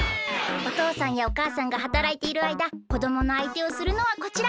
おとうさんやおかあさんがはたらいているあいだこどものあいてをするのはこちら！